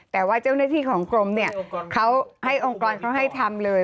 แต่ว่าเจ้าหน้าที่ของกรมเนี่ยเขาให้องค์กรเขาให้ทำเลย